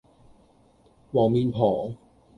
黃面婆